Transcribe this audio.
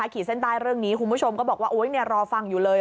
ขีดเส้นใต้เรื่องนี้คุณผู้ชมก็บอกว่าโอ๊ยรอฟังอยู่เลย